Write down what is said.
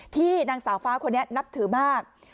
ที่นางสาวฟ้าคนนี้นับถือมาก